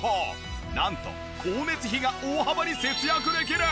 なんと光熱費が大幅に節約できる！？